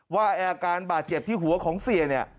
ว่าอาการบาดเจ็บที่หัวของเสียเนี่ย